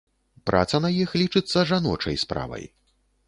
Праца на іх лічыцца жаночай справай.